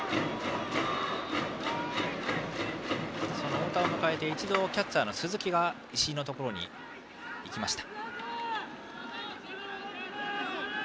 太田を迎えて一度キャッチャーの鈴木が石井のところに行きました。